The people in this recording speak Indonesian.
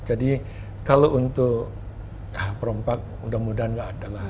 jadi kalau untuk rompak mudah mudahan gak ada lah